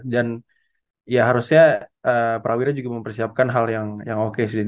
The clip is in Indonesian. dan ya harusnya pra wira juga mempersiapkan hal yang oke sih